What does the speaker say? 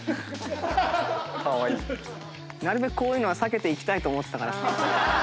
なるべくこういうのは避けていきたいと思ってたから。